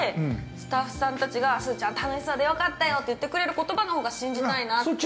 スタッフさんたちが、すずちゃん、楽しそうでよかったよって言ってくれる言葉のほうが信じたいなって。